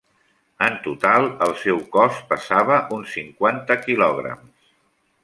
En total, el seu cos pesava uns cinquanta quilograms.